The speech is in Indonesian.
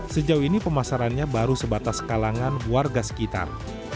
sejauh ini pemasarannya baru sebatas kalangan warga sekitar